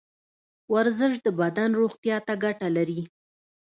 ورزش د بدن روغتیا ته ګټه لري.